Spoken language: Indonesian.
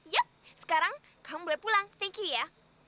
yuk sekarang kamu boleh pulang thank you ya